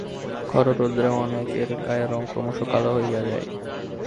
খর রৌদ্রে অনেকের গায়ের রঙ ক্রমশ কালো হইয়া যায়।